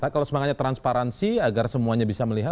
kalau semangatnya transparansi agar semuanya bisa melihat